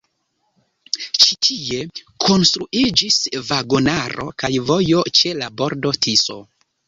Ĉi tie konstruiĝis vagonaro kaj vojo ĉe la bordo Tiso.